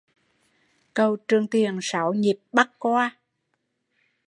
Cầu Trường tiền sáu nhịp bắc qua